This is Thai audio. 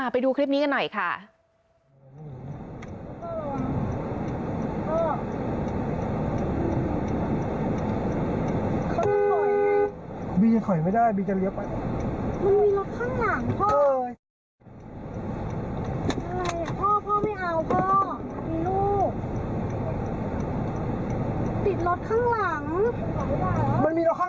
ไปดูคลิปนี้กันหน่อยค่ะ